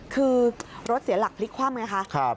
คือรถเสียหลักพลิกคว่ำไงคะ